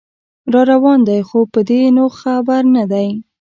راروان دی خو په دې نو خبر نه دی